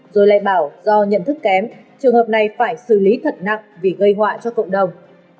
rồi lại bảo do nhận thức kém trường hợp này phải xử lý thật nặng vì gây họa cho cộng đồng